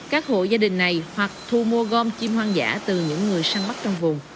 các hộ gia đình này hoặc thu mua gom chim hoang dã từ những người săn bắt trong vùng